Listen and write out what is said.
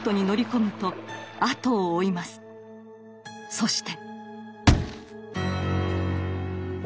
そして。